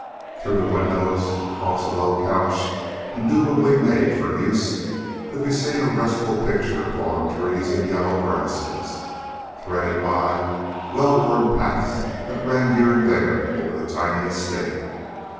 Through the windows, across a low couch indubitably made for use, could be seen a restful picture of autumn trees and yellow grasses, threaded by wellworn paths that ran here and there over the tiny estate.